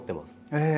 ええ？